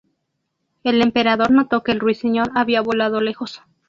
El emperador notó que el Ruiseñor había volado lejos.